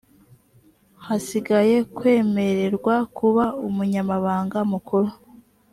hasigaye kwemererwa kuba umunyamabanga mukuru